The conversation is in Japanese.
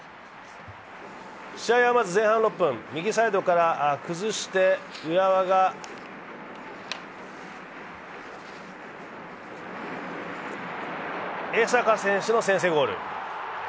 試合はまず前半６分、右サイドから崩して浦和が江坂選手の先制ゴール。